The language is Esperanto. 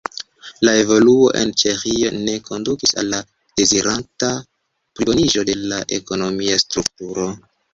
La evoluo en Ĉeĥio ne kondukis al la dezirata pliboniĝo de la ekonomia strukturo.